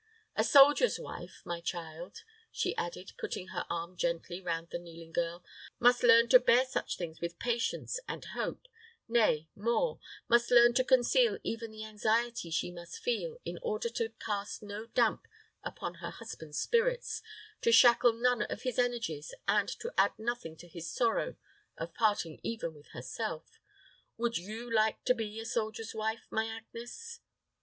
A soldier's wife, my child," she added, putting her arm gently round the kneeling girl, "must learn to bear such things with patience and hope nay, more, must learn to conceal even the anxiety she must feel, in order to cast no damp upon her husband's spirits, to shackle none of his energies, and to add nothing to his sorrow of parting even with herself. Would you like to be a soldier's wife, my Agnes?"